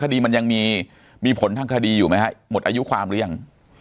คดีมันยังมีผลทางคดีอยู่ไหมฮะหมดอายุความหรือยัง